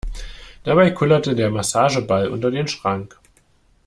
Dabei kullerte der Massageball unter den Schrank.